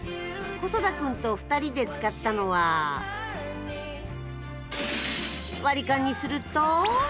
細田君と２人で使ったのは割り勘にすると。